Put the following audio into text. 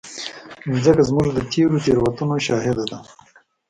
مځکه زموږ د تېرو تېروتنو شاهد ده.